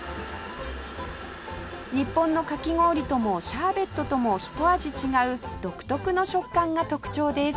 日本のかき氷ともシャーベットともひと味違う独特の食感が特徴です